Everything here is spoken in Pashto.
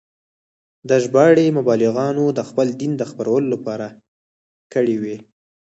دا ژباړې مبلغانو د خپل دین د خپرولو لپاره کړې وې.